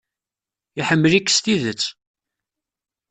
Iḥemmel-ik s tidet.